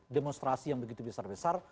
demonstrasi yang begitu besar besar